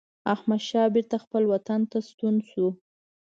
احمدشاه بیرته خپل وطن ته ستون شو.